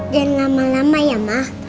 jangan lama lama ya ma